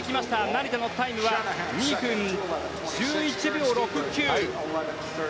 成田のタイムは２分１１秒６９。